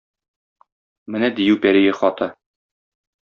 Менә дию пәрие хаты.